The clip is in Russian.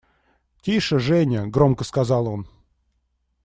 – Тише, Женя! – громко сказал он.